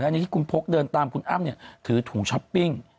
อันนี้ที่คุณพกเดินตามคุณอ้ำถือถุงช้อปปิ้ง